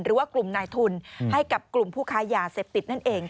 หรือว่ากลุ่มนายทุนให้กับกลุ่มผู้ค้ายาเสพติดนั่นเอง